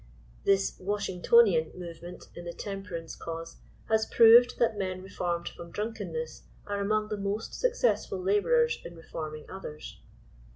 The * Washingtonian' movement in the Temperance cause has proved that men reformed from drunkenness are among the mos^ successful laborers in reforming others.